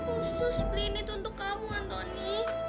aku kan khusus beliin itu untuk kamu antoni